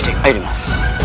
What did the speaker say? lepaskan aku mas